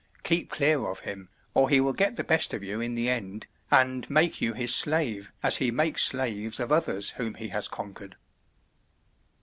Keep clear of him, or he will get the best of you in the end, and make you his slave as he makes slaves of others whom he has conquered."